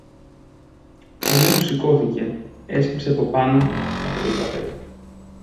Ο νέος σηκώθηκε, έσκυψε από πάνω από το τραπέζι